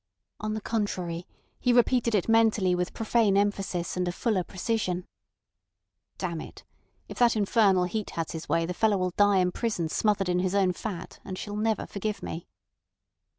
On the contrary, he repeated it mentally with profane emphasis and a fuller precision: "Damn it! If that infernal Heat has his way the fellow'll die in prison smothered in his fat, and she'll never forgive me."